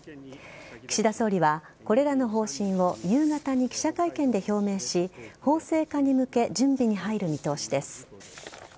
岸田総理はこれらの方針を夕方に記者会見で表明し法制化に向け準備に入る見通しです。